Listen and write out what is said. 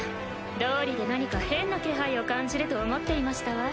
どうりで何か変な気配を感じると思っていましたわ。